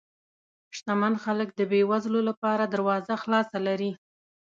شتمن خلک د بې وزلو لپاره دروازه خلاصه لري.